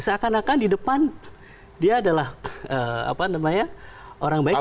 seakan akan di depan dia adalah orang baik